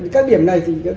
các điểm này